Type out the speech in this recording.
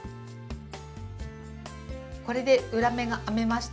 これで裏目が編めました。